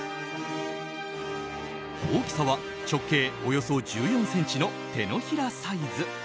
大きさは、直径およそ１４ｃｍの手のひらサイズ。